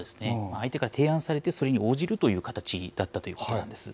相手から提案されて、それに応じるという形だったということなんです。